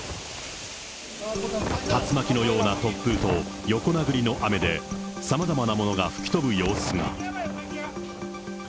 竜巻のような突風と横殴りの雨で、さまざまなものが吹き飛ぶ様子が。